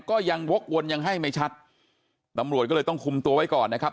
ก็ยังวกวนยังให้ไม่ชัดตำรวจก็เลยต้องคุมตัวไว้ก่อนนะครับ